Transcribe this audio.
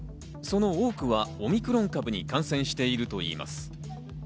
その多くはオミクロン株に感染しているといいます。